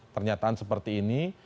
ternyataan seperti ini